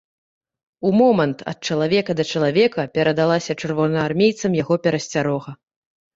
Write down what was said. Умомант ад чалавека да чалавека перадалася чырвонаармейцам яго перасцярога.